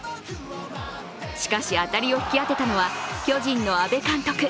しかし、当たりを引き当てたのは巨人の阿部監督。